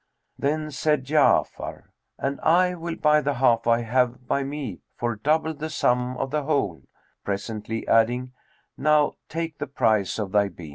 Then said Ja'afar, 'And I will buy the half I have by me for double the sum of the whole,' presently adding, 'Now take the price of thy bean.'